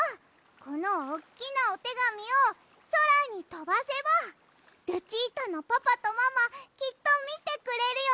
このおっきなおてがみをそらにとばせばルチータのパパとママきっとみてくれるよね。